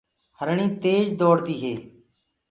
هرڻي تيج دوڙ دي هي۔